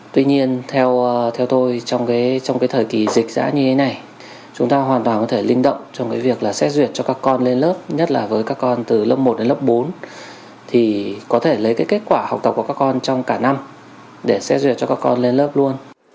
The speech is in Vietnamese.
tuy nhiên theo tôi trong cái thời kỳ dịch giã như thế này chúng ta hoàn toàn có thể linh động trong cái việc là xét duyệt cho các con lên lớp nhất là với các con từ lớp một đến lớp bốn thì có thể lấy cái kết quả học tập của các con trong cả năm để xét duyệt cho các con lên lớp luôn